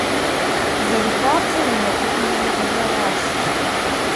Зэрыхабзэу унэӀутым иригъэблэгъащ.